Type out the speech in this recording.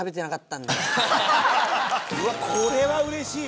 これはうれしい！